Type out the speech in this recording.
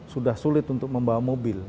sudah sulit untuk membawa mobil